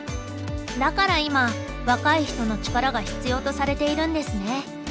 だから今若い人の力が必要とされているんですね。